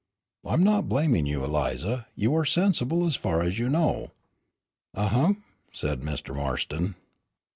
"I'm not blaming you, Eliza; you are sensible as far as you know." "Ahem," said Mr. Marston.